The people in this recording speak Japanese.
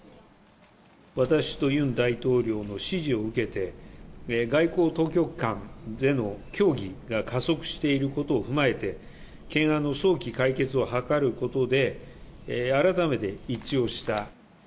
私とユン大統領の指示を受けて、外交当局間での協議が加速していることを踏まえて、懸案の早期解決を図ることで、改めて一致をした。